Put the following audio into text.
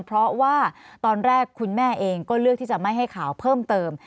เพราะว่าตอนแรกคุณแม่เองก็เลือกที่จะไม่ให้ข่าวเพิ่มเติม